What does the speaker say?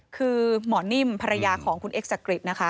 คือหมอนิ่มภรรยาของคุณเอ็กซักริจนะคะ